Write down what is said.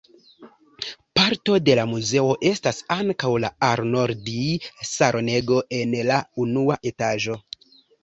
Parto de la muzeo estas ankaŭ la Arnoldi-salonego en la unua etaĝo.